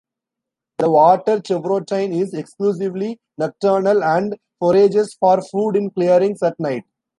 The water chevrotain is exclusively nocturnal, and forages for food in clearings at night.